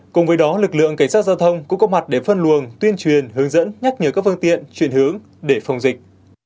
cùng với đó lực lượng cảnh sát giao thông cũng có mặt để phân luồng tuyên truyền hướng dẫn nhắc nhở các phương tiện chuyển hướng để phòng dịch